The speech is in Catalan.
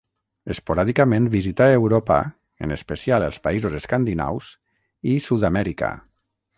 Esporàdicament visità Europa –en especial els països escandinaus— i Sud-amèrica.